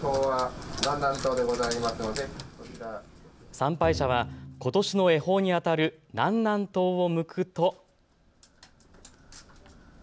参拝者はことしの恵方にあたる南南東を向くと。